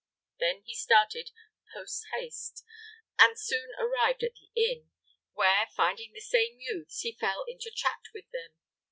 Then he started post haste, and soon arrived at the inn, where, finding the same youths, he fell into chat with them.